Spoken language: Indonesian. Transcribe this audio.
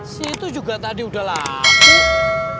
si itu juga tadi udah laku